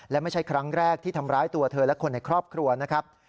และไม่ใช่ครั้งแรกที่ทำร้ายตัวเธอและคนในครอบครัวนะครับ